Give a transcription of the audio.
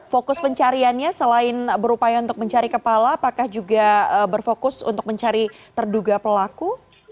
fokus pencariannya selain berupaya untuk mencari kepala apakah juga berfokus untuk mencari terduga pelaku